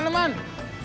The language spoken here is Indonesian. lo mau kemana man